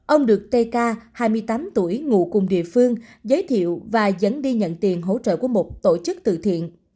ông được tk hai mươi tám tuổi ngụ cùng địa phương giới thiệu và dẫn đi nhận tiền hỗ trợ của một tổ chức từ thiện